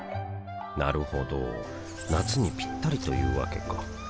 なるほど夏にピッタリというわけか